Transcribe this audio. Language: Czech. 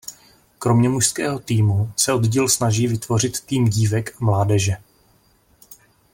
Kromě mužského týmu se oddíl snaží vytvořit tým dívek a mládeže.